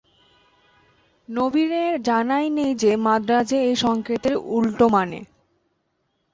নবীনের জানাই নেই যে মাদ্রাজে এ সংকেতের উলটো মানে।